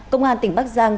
công an tỉnh bắc giang